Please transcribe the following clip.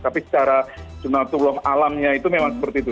tapi secara junatullah alamnya itu memang seperti itu